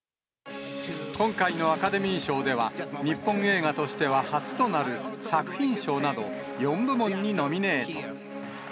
今回のアカデミー賞では、日本映画としては初となる作品賞など、４部門にノミネート。